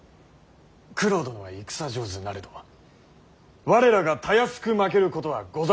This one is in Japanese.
九郎殿は戦上手なれど我らがたやすく負けることはござらぬ。